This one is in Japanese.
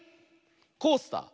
「コースター」。